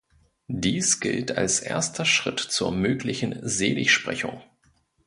Dies gilt als erster Schritt zur möglichen Seligsprechung.